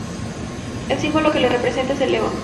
El símbolo que lo representa es el león.